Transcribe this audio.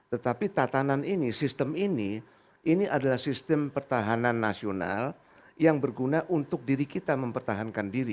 tetapi tatanan ini sistem ini ini adalah sistem pertahanan nasional yang berguna untuk diri kita mempertahankan diri